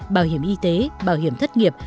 bảo hiểm y tế bảo hiểm thất nghiệp